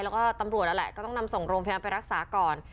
แล้วก็ตำรวจนั่งส่องโรงพยพรักษาก่อน